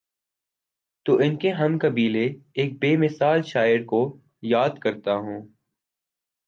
تو ان کے ہم قبیلہ ایک بے مثل شاعرکو یا دکرتا ہوں۔